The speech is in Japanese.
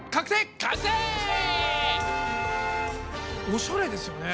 おしゃれですよね。